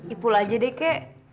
ipul aja deh kek